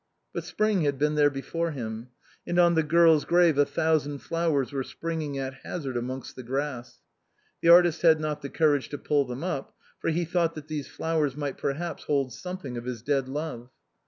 But spring had been there before him, and on the girl's grave a thousand flowers were springing at hazard amongst the grass. The artist had not the courage to pull them up, for he thought that these flowers might perhaps hold some thing of his dead love.